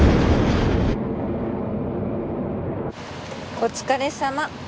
お疲れさま。